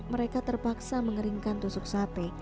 mereka terpaksa mengeringkan tusuk sate